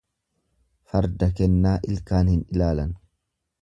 Farda kennaa ilkaan hin ilaalan.